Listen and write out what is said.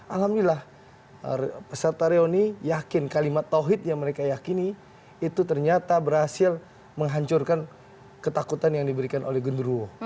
alhamdulillah peserta reuni yakin kalimat tawhid yang mereka yakini itu ternyata berhasil menghancurkan ketakutan yang diberikan oleh gundurwo